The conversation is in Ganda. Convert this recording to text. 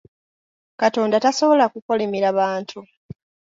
Katonda tasobola kukolimira bantu.